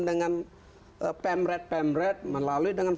dan kita bisa melakukan